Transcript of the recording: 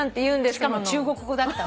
しかも中国語だった。